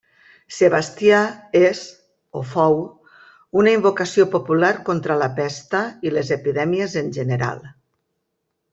Sebastià és, o fou, una invocació popular contra la Pesta i les epidèmies en general.